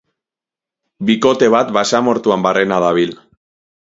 Bikote bat basamortuan barrena dabil.